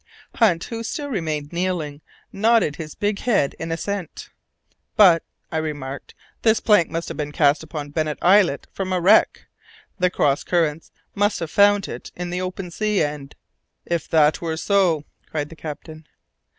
Hunt, who still remained kneeling, nodded his big head in assent. "But," I remarked, "this plank must have been cast upon Bennet Islet from a wreck! The cross currents must have found it in the open sea, and " "If that were so " cried the captain.